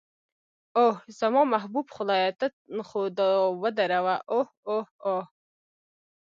اوه، زما محبوب خدایه ته خو دا ودروه، اوه اوه اوه.